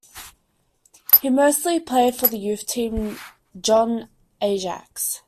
He mostly played for the youth team, Jong Ajax.